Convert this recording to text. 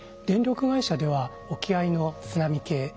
電力会社では沖合の津波計。